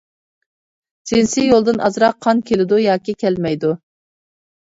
جىنسىي يولدىن ئازراق قان كېلىدۇ ياكى كەلمەيدۇ.